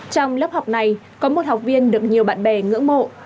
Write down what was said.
trong lớp học này có một học viên được nhiều bạn bè ngưỡng mộ